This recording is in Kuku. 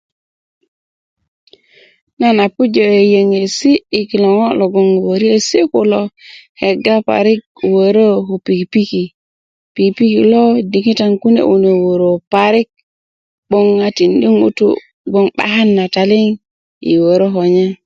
nan a pujö yöyöŋesi' yi kilo ŋo' logoŋ wöriesi' kilo kega parik wörö ko pikipiki pikipiki lo kune diŋitan kune wörö parik 'boŋ a tindi' ŋutu' gboŋ bakan na taliŋ i wörö ko nye